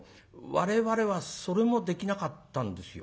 我々はそれもできなかったんですよ。